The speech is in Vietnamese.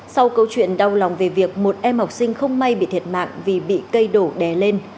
sau câu chuyện đau lòng về việc một em học sinh không may bị thiệt mạng vì bị cây đổ đè lên